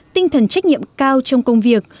tinh thần trách nhiệm cao trong công việc